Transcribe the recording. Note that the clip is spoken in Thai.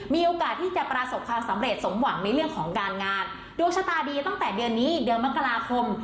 มีโอกาสที่จะประสบความสำเร็จสมหวังในเรื่องของการงานดวงชะตาดีตั้งแต่เดือนนี้เดือนมกราคม